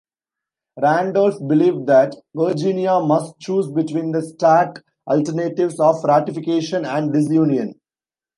Randolph believed that Virginia must choose between the stark alternatives of ratification and disunion.